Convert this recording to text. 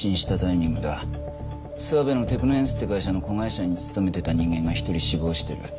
諏訪部のテクノエンスっていう会社の子会社に勤めてた人間が一人死亡してる。